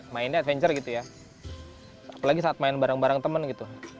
mainnya adventure gitu ya apalagi saat main bareng bareng temen gitu